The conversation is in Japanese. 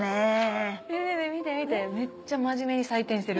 見て見てめっちゃ真面目に採点してる。